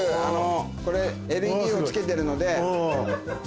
これＬＥＤをつけてるので。